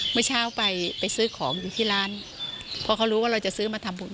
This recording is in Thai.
เมื่อเช้าไปไปซื้อของอยู่ที่ร้านเพราะเขารู้ว่าเราจะซื้อมาทำบุญ